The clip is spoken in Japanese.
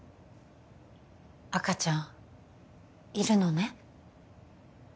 赤ちゃんいるのね？